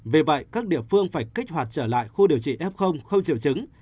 vì vậy các địa phương phải kích hoạt trở lại khu điều trị f không triệu chứng